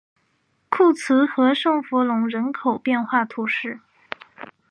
库兹和圣弗龙人口变化图示